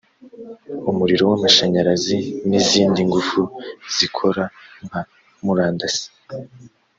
umuriro w amashanyarazi n izindi ngufu zikora nka murandasi